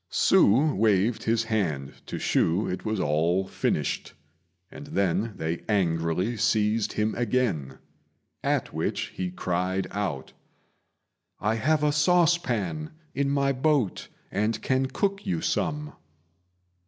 Hsü waved his hand to shew it was all finished, and then they angrily seized him again; at which he cried out, "I have a saucepan in my boat, and can cook you some."